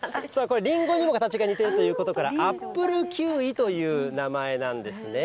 リンゴにも形が似ているということから、アップルキウイという名前なんですね。